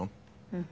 うん。